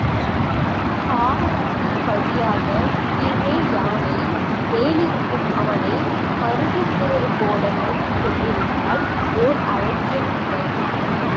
சாளரத்தின் வழியாகக் கீழே யானை மேலிருக்கும் அவனைப் பருகிவிடுவதுபோல நோக்கிக் கொண்டிருந்தாள் ஓர் அழகிய நங்கை.